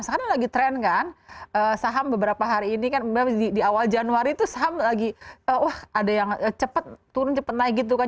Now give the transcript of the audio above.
sekarang lagi tren kan saham beberapa hari ini kan di awal januari itu saham lagi wah ada yang cepat turun cepat naik gitu kan